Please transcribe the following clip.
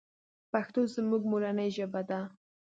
پښتو زمونږ مورنۍ ژبه ده.